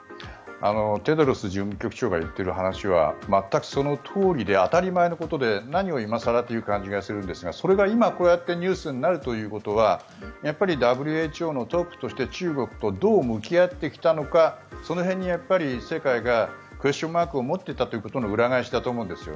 テドロス事務局長が言っている話は全くそのとおりで当たり前のことで何を今更という感じがするんですがそれが今、こうやってニュースになるということはやっぱりＷＨＯのトップとして中国とどう向き合ってきたのかその辺にやっぱり世界がクエスチョンマークを持っていたことの裏返しだと思うんです。